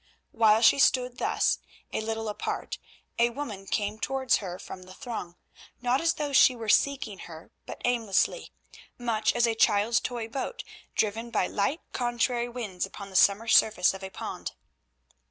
While she stood thus a little apart, a woman came towards her from the throng, not as though she were seeking her, but aimlessly, much as a child's toy boat is driven by light, contrary winds upon the summer surface of a pond.